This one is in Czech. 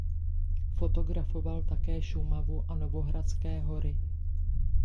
Fotografoval také Šumavu a Novohradské hory.